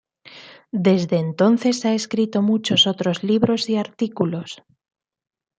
Desde entonces ha escrito muchos otros libros y artículos.